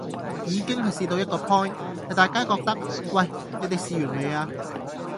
已經係試到一個 point 係大家覺得喂，你地試完未啊